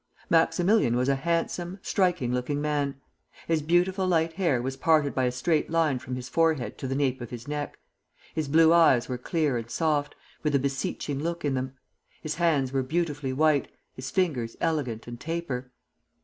Maximilian was a handsome, striking looking man. His beautiful light hair was parted by a straight line from his forehead to the nape of his neck. His blue eyes were clear and soft, with a beseeching look in them. His hands were beautifully white, his fingers elegant and taper.